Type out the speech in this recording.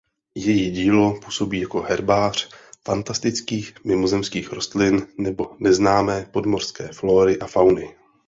Její dílo působí jako herbář fantastických mimozemských rostlin nebo neznámé podmořské flóry a fauny.